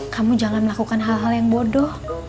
kamu jangan melakukan hal hal yang bodoh